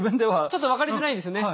ちょっと分かりづらいですよね。